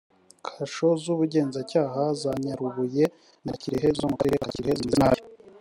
kasho z’ubugenzacyaha za nyarubuye na kirehe zo mu karere ka kirehe zimeze nabi